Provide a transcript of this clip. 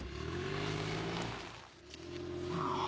ああ。